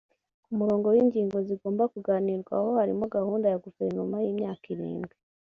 Ku murongo w’ingingo zigomba kuganirwaho harimo Gahunda ya Guverinoma y’Imyaka Irindwi